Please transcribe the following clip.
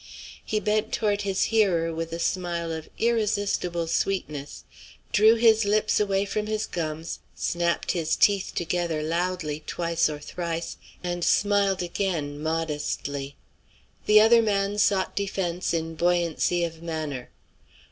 He bent toward his hearer with a smile of irresistible sweetness, drew his lips away from his gums, snapped his teeth together loudly twice or thrice, and smiled again, modestly. The other man sought defence in buoyancy of manner.